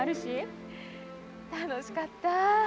楽しかった。